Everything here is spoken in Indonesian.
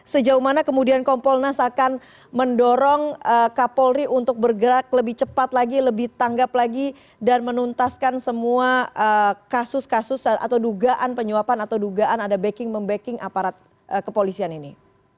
sejauh mana kemudian kompolnas akan mendorong kapolri untuk bergerak lebih cepat lagi lebih tanggap lagi dan menuntaskan semua kasus kasus atau dugaan penyuapan atau dugaan ada backing membacking aparat kepolisian ini